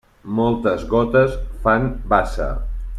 Moltes gotes fan bassa.